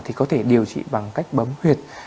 thì có thể điều trị bằng cách bấm huyệt